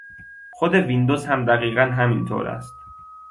خود ویندوز هم دقیقا همنطور است.